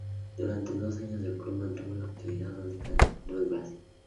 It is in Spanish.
Durante dos años el club se mantuvo su actividad únicamente en el fútbol base.